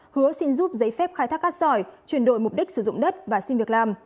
hứa xin giúp giấy phép khai thác cát sỏi chuyển đổi mục đích sử dụng đất và xin việc làm